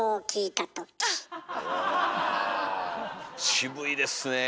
渋いですねえ